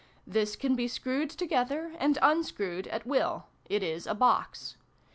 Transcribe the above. This can be screwed together and unscrewed at will; it is a box.